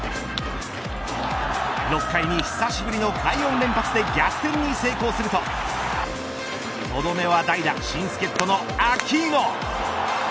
６回に久しぶりの快音連発で逆転に成功するととどめは代打新助っ人のアキーノ。